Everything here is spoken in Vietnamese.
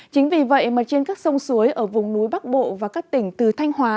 chính vì vậy mà trên các sông suối ở vùng núi bắc bộ và các tỉnh từ thanh hóa